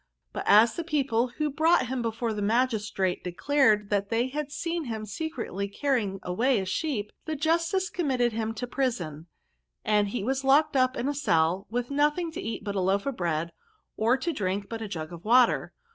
But as the people who brought him before the magistrate declared that they had seen him secretly carr)'ing away a sheep, the justice committed him to prison ; and he was locked up in a cell, with nothing to eat but a loaf of bread, or to drink but a jug of water.